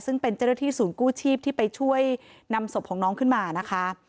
ซึ่งเป็นเจ้าหน้าที่ศูนย์กู้ชีพที่ไปช่วยนำศพของน้องขึ้นมานะคะ